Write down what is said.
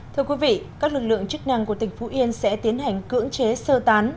thưa quý vị các lực lượng chức năng của tỉnh phú yên sẽ tiến hành cưỡng chế sơ tán